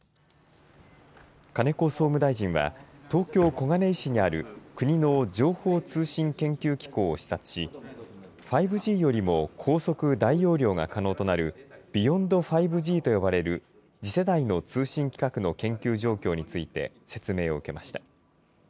金子総務大臣は東京、小金井市にある国の情報通信研究機構を視察し５Ｇよりも高速大容量が可能となるビヨンド５Ｇと呼ばれる次世代の通信規格の研究状況について説明を受けました。